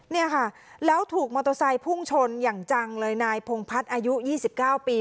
เนี่ยค่ะแล้วถูกมอเตอร์ไซค์พุ่งชนอย่างจังเลยนายพงพัฒน์อายุ๒๙ปี